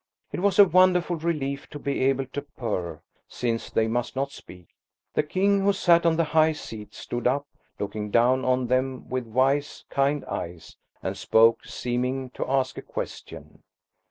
It was a wonderful relief to be able to purr, since they must not speak. The King–he who sat on the high seat–stood up, looking down on them with wise, kind eyes, and spoke, seeming to ask a question.